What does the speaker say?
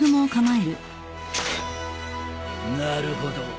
なるほど。